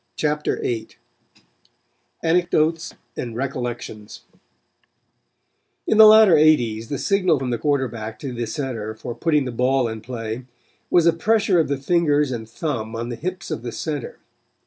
CHAPTER VIII ANECDOTES AND RECOLLECTIONS In the latter eighties the signal from the quarterback to the center for putting the ball in play was a pressure of the fingers and thumb on the hips of the center.